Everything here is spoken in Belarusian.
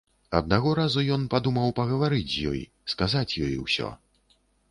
Аднаго разу ён падумаў пагаварыць з ёй, сказаць ёй усё.